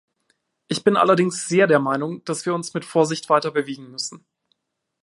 Ich bin allerdings sehr der Meinung, dass wir uns mit Vorsicht weiterbewegen müssen.